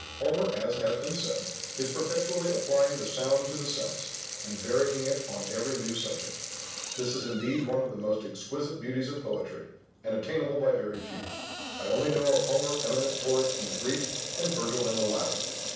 Homer (as has been said) is perpetually applying the sound to the sense, and varying it on every new subject. This is indeed one of the most exquisite beauties of poetry, and attainable by very few: I only know of Homer eminent for it in the Greek, and Virgil in the Latin.